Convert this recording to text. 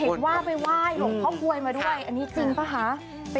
เห็นว่าไปไหว้หลวงพ่อกวยมาด้วยอันนี้จริงป่ะคะ